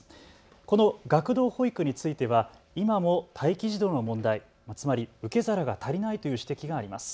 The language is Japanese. この学童保育については今も待機児童の問題つまり受け皿が足りないという指摘があります。